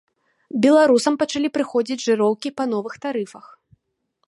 Беларусам пачалі прыходзіць жыроўкі па новых тарыфах.